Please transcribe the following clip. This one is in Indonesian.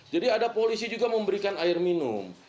jadi ada polisi juga memberikan air minum